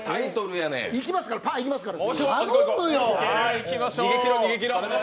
いきますからパーンいきますから。